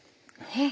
えっ？